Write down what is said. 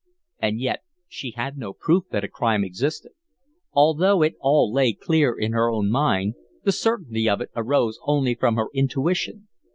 And yet she had no proof that a crime existed. Although it all lay clear in her own mind, the certainty of it arose only from her intuition.